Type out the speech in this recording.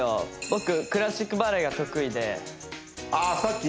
僕クラシックバレエが得意でさっき